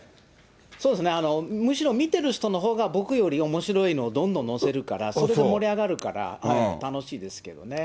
そうですね、むしろ見てる人のほうが、僕よりおもしろいのをどんどん載せるから、それで盛り上がるから楽しいですけどね。